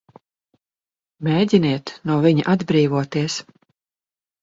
Mēģiniet no viņa atbrīvoties!